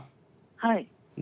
はい。